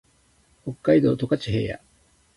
北海道十勝平野